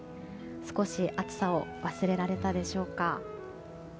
少し暑さを忘れられたでしょうか。